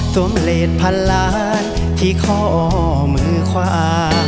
สวมเลทพันล้านที่ขอมือควา